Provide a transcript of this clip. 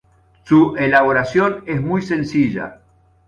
Su elaboración es muy sencilla.